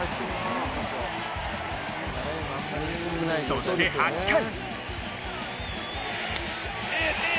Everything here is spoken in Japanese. そして８回。